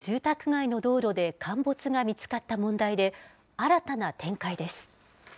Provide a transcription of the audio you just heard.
東京・調布市の住宅街の道路で陥没が見つかった問題で、新たな展開です。